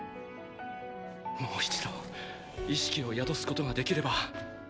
もう一度意識を宿すことができれば。